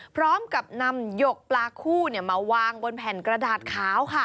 พร้อมกับนำหยกปลาคู่มาวางบนแผ่นกระดาษขาวค่ะ